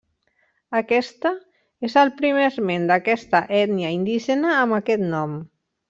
Aquesta és el primer esment d'aquesta ètnia indígena amb aquest nom.